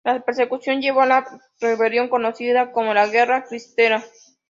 La persecución llevó a la rebelión conocida como la Guerra Cristera.